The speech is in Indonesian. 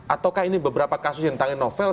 ataukah ini beberapa kasus yang ditangani novel